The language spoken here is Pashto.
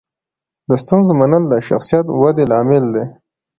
د ستونزو منل د شخصیت ودې لامل دی.